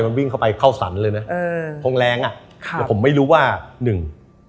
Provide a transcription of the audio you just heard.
มันวิ่งเข้าไปเข้าสรรเลยนะเออคงแรงอ่ะค่ะแต่ผมไม่รู้ว่าหนึ่ง